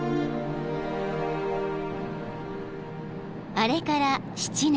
［あれから７年］